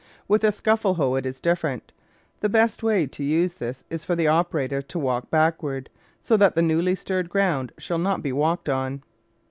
With a scuffle hoe it is different. The best way to use this is for the operator to walk backward, so that the newly stirred ground shall not be walked on.